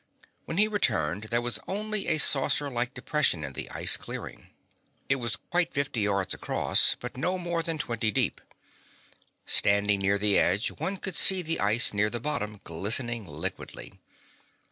When he returned there was only a saucerlike depression in the ice clearing. It was quite fifty yards across, but no more than twenty deep. Standing near the edge, one could see the ice near the bottom glistening liquidly.